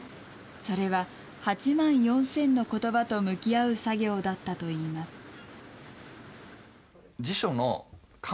それは、８万４０００のことばと向き合う作業だったといいます。